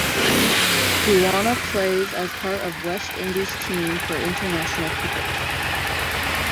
Guyana plays as part of West Indies team for international cricket.